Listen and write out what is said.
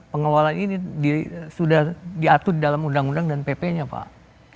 pengelolaan ini sudah diatur dalam undang undang dan pp nya pak